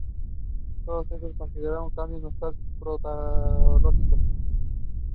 Todos estos se consideran cambios no patológicos.